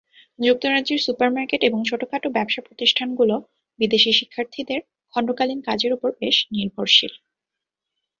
যুক্তরাজ্যের সুপারমার্কেট এবং ছোটখাটো ব্যবসা প্রতিষ্ঠানগুলো বিদেশি শিক্ষার্থীদের খণ্ডকালীন কাজের ওপর বেশ নির্ভরশীল।